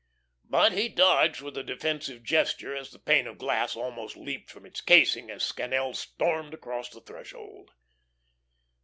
But he dodged with a defensive gesture as the pane of glass almost leaped from its casing, as Scannel stormed across the threshold.